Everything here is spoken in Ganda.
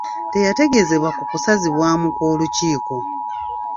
Teyategeezebwa ku kusazibwamu kw'olukiiko.